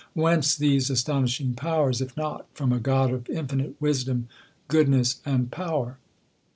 Whence these astonishing powers, if not from a God of infinite wisdom, goodness, and power